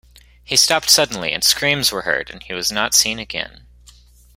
He stopped suddenly, and screams were heard, and he was not seen again.